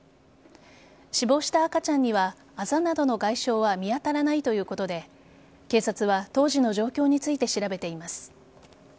死亡した赤ちゃんにはあざなどの外傷は見当たらないということで警察は当時の状況について調べています。